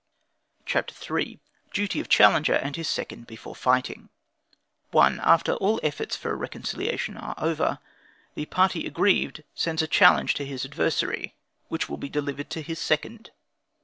CHAPTER III. Duty of Challenger and His Second Before Fighting. 1. After all efforts for a reconciliation are over, the party aggrieved sends a challenge to his adversary, which is delivered to his second.